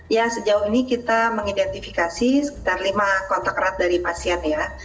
ya sejauh ini kita mengidentifikasi sekitar lima kontak erat dari pasien ya